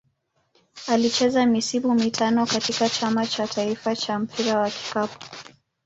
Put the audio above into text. Alicheza misimu mitano katika Chama cha taifa cha mpira wa kikapu.